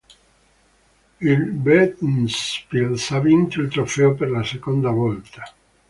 Il Ventspils ha vinto il trofeo per la seconda volta.